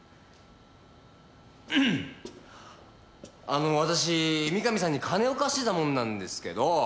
あの私三神さんに金を貸してた者なんですけど。